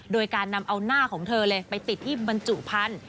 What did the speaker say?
โดยการนำเอาหน้าของเธอเลยไปติดที่บรรจุพันธุ